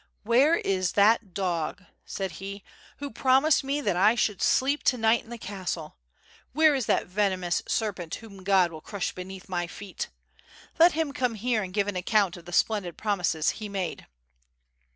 "Where is that dog," said he, "who promised me that 1 sheuld sleep to night in the castle? Wl;iere is that venomous serpent whom God will crush beneath my feet? Let him come here and give an account of the splendid promises he made."